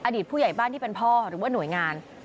อดีตผู้ใหญ่บ้านที่เป็นพ่อหรือว่าหน่วยงาน